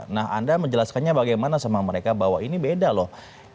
nah anda menjelaskannya bagaimana sama mereka bahwa ini beda loh